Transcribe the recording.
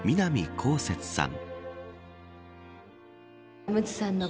こうせつさん。